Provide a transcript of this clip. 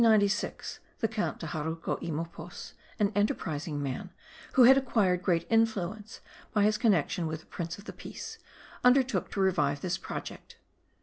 In 1796 the Count de Jaruco y Mopox, an enterprising man, who had acquired great influence by his connection with the Prince of the Peace, undertook to revive this project.